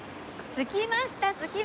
着きました。